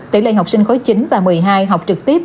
tỷ lệ học sinh khối chín và một mươi hai học trực tiếp